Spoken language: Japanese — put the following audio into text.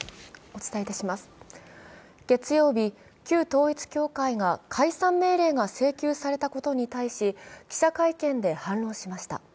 月曜日、旧統一教会が解散命令が請求されたことに対し記者会見で反論しました。